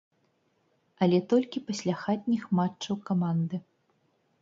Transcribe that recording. Але толькі пасля хатніх матчаў каманды.